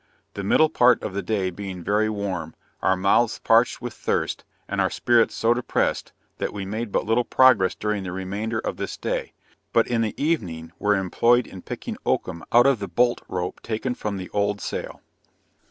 The middle part of the day being very warm, our mouths parched with thirst, and our spirits so depressed, that we made but little progress during the remainder of this day, but in the evening were employed in picking oakum out of the bolt rope taken from the old sail.